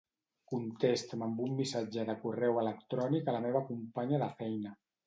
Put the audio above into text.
Contesta'm amb un missatge de correu electrònic a la meva companya de feina.